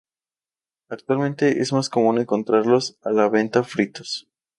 Actualmente es más común encontrarlos a la venta fritos.